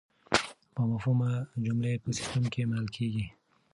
بامفهومه جملې په سیسټم کې منل کیږي.